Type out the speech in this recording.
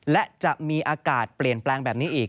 และจะมีอากาศเปลี่ยนแปลงแบบนี้อีก